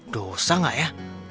dosa gak ya